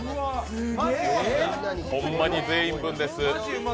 ホンマに全員分です。